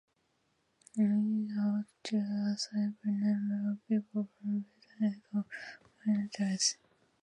An Giang is home to a sizable number of people from Vietnam's ethnic minorities.